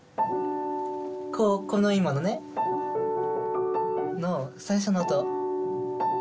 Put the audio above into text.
こうこの今のねの最初の音